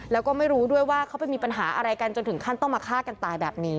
แล้วก็ไม่รู้ด้วยว่าเขาไปมีปัญหาอะไรกันจนถึงขั้นต้องมาฆ่ากันตายแบบนี้